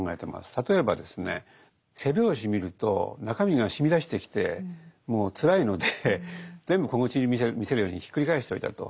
例えばですね背表紙見ると中身がしみ出してきてもうつらいので全部小口見せるようにひっくり返しておいたと。